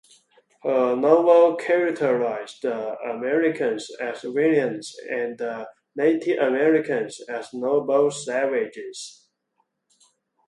Her novel characterized the Americans as villains and the Native Americans as "noble savages".